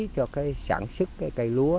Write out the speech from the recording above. cho cái sản xuất cái cây lúa